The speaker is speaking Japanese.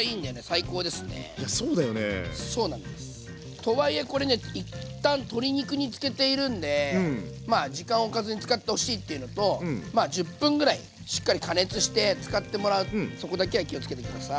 とはいえこれね一旦鶏肉につけているんでまあ時間おかずに使ってほしいっていうのと１０分ぐらいしっかり加熱して使ってもらうそこだけは気をつけて下さい。